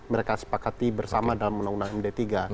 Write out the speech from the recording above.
mereka sepakati bersama dalam undang undang md tiga